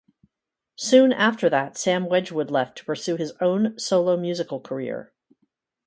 Soon after that Sam Wedgwood left to pursue his own solo musical career.